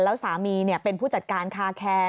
แล้วสามีเป็นผู้จัดการคาแคร์